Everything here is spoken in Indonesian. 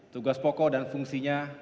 tugas pokok dan fungsinya